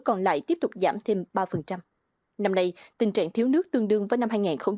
còn lại tiếp tục giảm thêm ba năm nay tình trạng thiếu nước tương đương với năm hai nghìn hai mươi